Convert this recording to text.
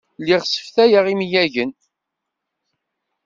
Lliɣ sseftayeɣ imyagen.